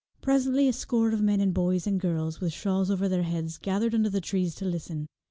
Presently a score of men and boys and girls, with shawls over their heads, gathered under the trees to listen.